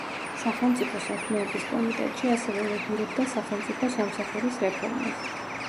სახელმწიფო საქმეების კომიტეტში ასევე ლობირებდა სახელმწიფო სამსახურის რეფორმას.